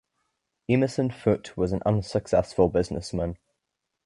Emerson Foote was an unsuccessful businessman.